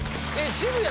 渋谷